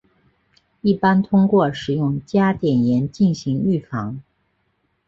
一般通过使用加碘盐进行预防。